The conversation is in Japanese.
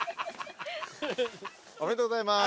おめでとうございます。